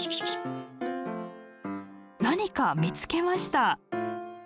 何か見つけました。